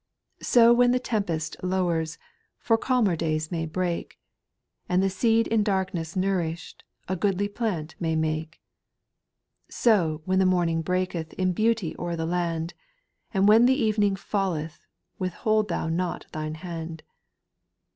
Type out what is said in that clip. Sow when the tempest lowers. For calmer days may break ; And the seed in darkness nourished, A goodly plant may make. Sow when the morning breaketh In beauty o'er the land ; And when the evening falleth Withhold not thou thine hand.